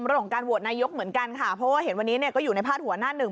เพราะว่าเห็นวันนี้ก็อยู่ในภาษาหัวหน้าหนึ่ง